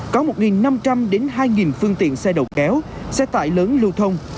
có một năm trăm linh hai phương tiện xe đầu kéo xe tải lớn lưu thông